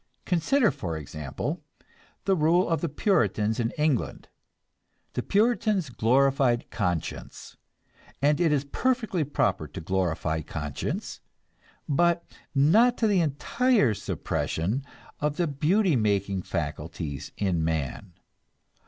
Consider, for example, the rule of the Puritans in England. The Puritans glorified conscience, and it is perfectly proper to glorify conscience, but not to the entire suppression of the beauty making faculties in man.